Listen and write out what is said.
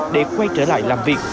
để quay trở lại làm việc